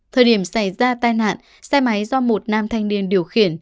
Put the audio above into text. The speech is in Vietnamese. thời điểm xảy ra tai nạn xe máy do một nam thanh niên điều khiển